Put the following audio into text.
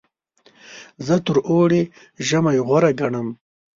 زه تر اوړي ژمی غوره ګڼم.